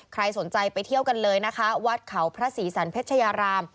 ใครสนใจไปเที่ยวกันเลยนะคะวัดเขาพระศรีสันเพชรยาราม